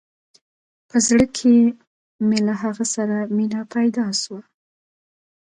په زړه کښې مې له هغه سره مينه پيدا سوه.